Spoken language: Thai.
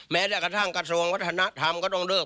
แม้แต่กระทั่งกระทรวงวัฒนธรรมก็ต้องเลิก